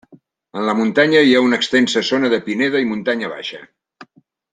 En la muntanya hi ha una extensa zona de pineda i muntanya baixa.